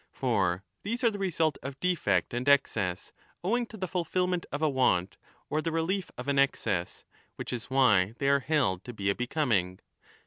For these are the result of defect and excess, owing to the fulfilment of a want or the relief of an excess ; which is why they are held to be a becoming.